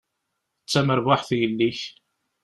D tamerbuḥt yelli-k.